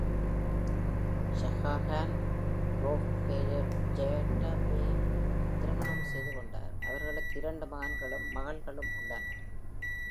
Zeliha Han, Rauf Yekta Bey-ஐ திருமணம் செய்துகொண்டார். அவர்களுக்கு இரண்டு மகன்களும் மகள்களும் உள்ளனர்.